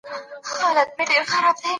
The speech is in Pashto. خو څوک نظریې نه جوړوي.